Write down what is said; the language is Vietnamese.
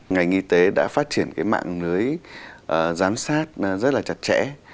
ngành y tế đã phát triển cái mạng lưới giám sát rất là chặt chẽ